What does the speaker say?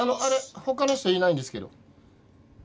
他の人いないんですけど。